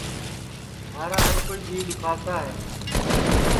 مھارا ہر کوئی جیو دُؔکھاوتا ہے